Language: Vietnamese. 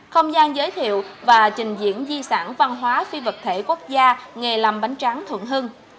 không gian giới thiệu và trình diễn di sản văn hóa phi vật thể quốc gia nghề làm bánh tráng thuận hưng